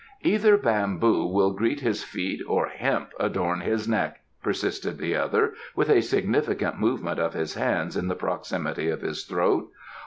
"Either bamboo will greet his feet or hemp adorn his neck," persisted the other, with a significant movement of his hands in the proximity of his throat.